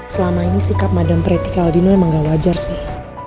selama ini sikap madam preti ke aldino emang gak wajar sih